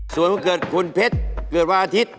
ส่วนเมื่อเกิดคุณเพชรเกิดว่าอาทิตย์